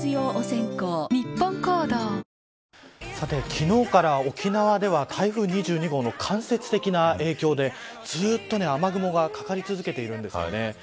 昨日から沖縄では台風２２号の間接的な影響でずっと雨雲がかかり続けているんです。